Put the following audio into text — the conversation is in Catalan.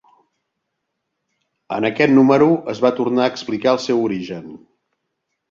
En aquest número es va tornar a explicar el seu origen.